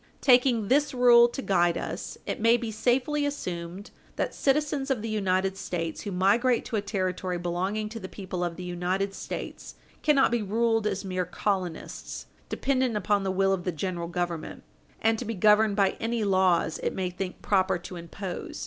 Taking this rule to guide us, it may be safely assumed that citizens of the United States who migrate to a Territory belonging to the people of the United States cannot be ruled as mere colonists, dependent upon the will of the General Government and to be governed by any laws it may think proper to impose.